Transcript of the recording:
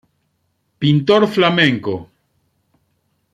Pintor flamenco.